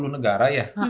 sepuluh negara ya